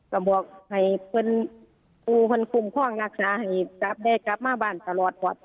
ก็บอกให้คุณผู้คุมความรักษาให้กลับได้กลับมาบ้านตลอดปลอดภัยนะจ๊ะ